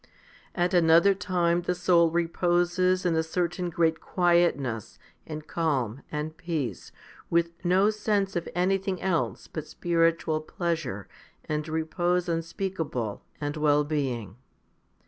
9. At another time the soul reposes in a certain great quietness and calm and peace, with no sense of anything else but spiritual pleasure, and repose unspeak able, and well being.